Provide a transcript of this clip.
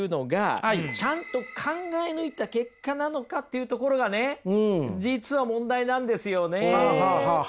ちゃんと考え抜いた結果なのかっていうところがね実は問題なんですよね！